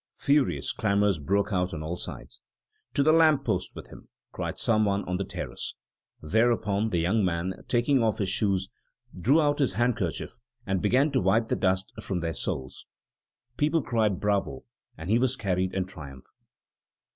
Furious clamors broke out on all sides. "To the lamp post with him!" cried some one on the terrace. Thereupon the young man, taking off his shoes, drew out his handkerchief and began to wipe the dust from their soles. People cried bravo, and he was carried in triumph.